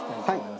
はい。